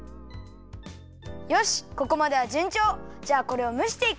よしここまではじゅんちょう！じゃあこれをむしていくよ。